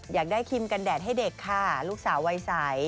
อยากได้คิมกันแดดให้เด็กค่ะลูกสาววัยใส